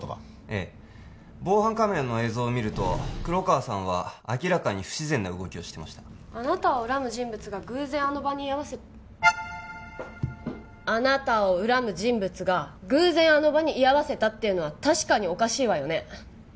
ええ防犯カメラの映像を見ると黒川さんは明らかに不自然な動きをしてましたあなたを恨む人物が偶然あの場に居合わせあなたを恨む人物が偶然あの場に居合わせたっていうのは確かにおかしいわよね